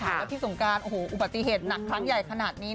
แล้วพี่สงการโอ้โหอุบัติเหตุหนักครั้งใหญ่ขนาดนี้